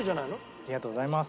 ありがとうございます。